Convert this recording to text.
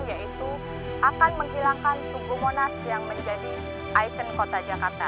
yaitu akan menghilangkan suku monas yang menjadi ikon kota jakarta